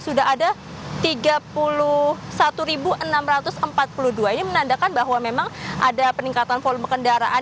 sudah ada tiga puluh satu enam ratus empat puluh dua ini menandakan bahwa memang ada peningkatan volume kendaraan